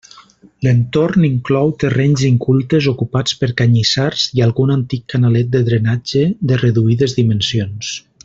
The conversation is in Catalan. L'entorn inclou terrenys incultes ocupats per canyissars i algun antic canalet de drenatge de reduïdes dimensions.